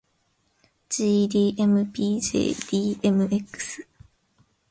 jdmpjdmx